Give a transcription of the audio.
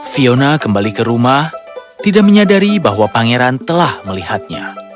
fiona kembali ke rumah tidak menyadari bahwa pangeran telah melihatnya